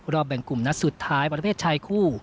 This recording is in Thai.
รอบแบ่งกลุ่มนัดสุดท้ายมันเป็นไทยคู่